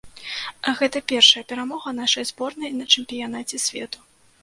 Гэта першая перамога нашай зборнай на чэмпіянаце свету.